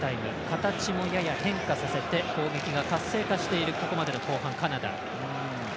形も、やや変化させて攻撃が活性化しているここまでの後半、カナダ。